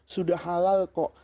sudah halal kok